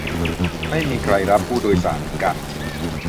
ไม่มีใครรับผู้โดยสารเหมือนกัน